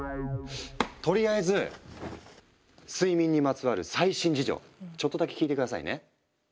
とりあえず睡眠にまつわる最新事情ちょっとだけ聞いて下さいね。